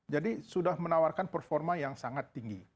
jadi sudah menawarkan performa yang sangat tinggi